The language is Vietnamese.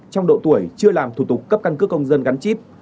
trong độ tuổi chưa làm thủ tục cấp căn cước công dân gắn chip